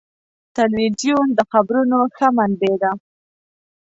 تلویزیون د خبرونو ښه منبع ده.